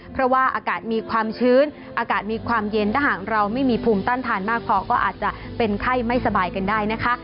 เพราะว่าอากาศมีความชื้นอากาศมีความเย็นถ้าหากเราไม่มีภูมิต้านทานมากพอก็อาจจะเป็นไข้ไม่สบายกันได้นะคะ